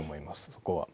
そこは。